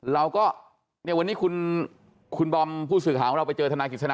เราก็เนี่ยวันนี้คุณบอมผู้สื่อข่าวของเราไปเจอทนายกฤษณา